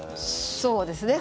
そうですね。